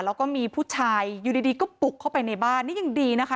แล้วก็มีผู้ชายอยู่ดีก็ปลุกเข้าไปในบ้านนี่ยังดีนะคะ